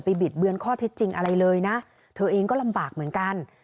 ที่จริงอะไรเลยนะเธอเองก็ลำบากเหมือนกัน